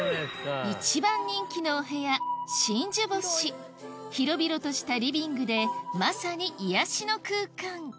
一番人気のお部屋広々としたリビングでまさに癒やしの空間